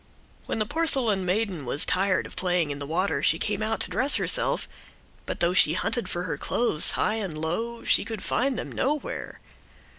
When the porcelain maiden was tired of playing in the water she came out to dress herself, but though she hunted for her clothes high and low she could find them nowhere.